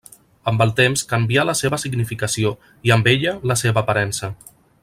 Amb el temps canvià la seva significació i amb ella la seva aparença.